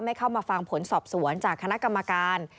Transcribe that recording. เข้ามาฟังผลสอบสวนจากคณะกรรมการ